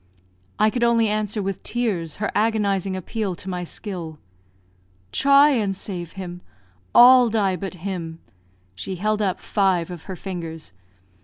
I could only answer with tears her agonising appeal to my skill. "Try and save him! All die but him." (She held up five of her fingers.)